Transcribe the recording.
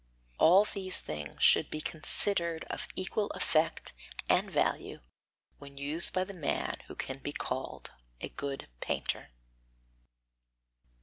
All these things should be considered of equal effect and value when used by the man who can be called a good painter.